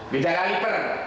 bisa kali per